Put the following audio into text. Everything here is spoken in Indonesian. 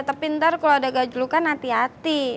tapi ntar kalo ada gajulukan hati hati